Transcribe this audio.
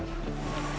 terima kasih rem